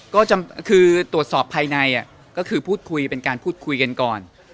ก็คือตรวจสอบภายในก็คือพูดคุยเป็นการพูดคุยกันก่อน